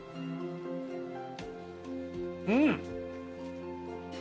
うん！